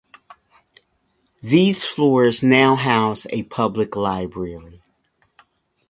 These floors now house a public library.